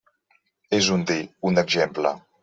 És un dir, un exemple.